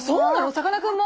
さかなクンも？